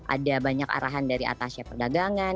ada banyak arahan dari atasnya perdagangan